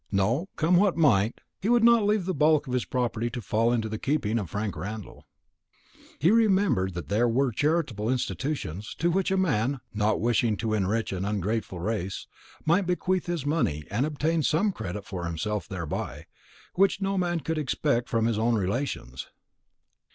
No, come what might, he would not leave the bulk of his property to fall into the keeping of Frank Randall. He remembered that there were charitable institutions, to which a man, not wishing to enrich an ungrateful race, might bequeath his money, and obtain some credit for himself thereby, which no man could expect from his own relations.